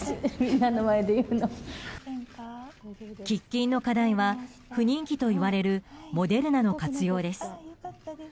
喫緊の課題は不人気といわれるモデルナの活用です。